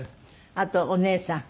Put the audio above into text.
あとお姉さん。